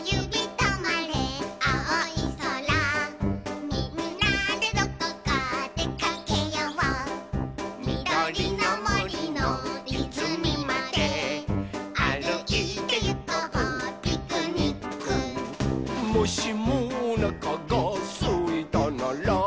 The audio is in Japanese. とまれあおいそら」「みんなでどこかでかけよう」「みどりのもりのいずみまであるいてゆこうピクニック」「もしもおなかがすいたなら」